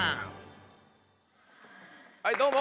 はいどうも！